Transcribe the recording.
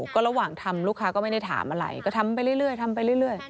ก็ระหว่างทำลูกค้าก็ไม่ได้ถามอะไรก็ทำไปเรื่อย